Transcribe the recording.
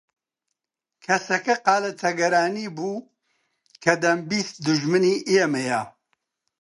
کەسەکە قالە تەگەرانی بوو کە دەمبیست دوژمنی ئێمەیە